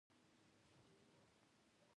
د یوې حملې په نتیجه کې ووژل شول